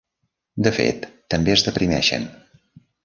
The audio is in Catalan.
De fet, també es deprimeixen.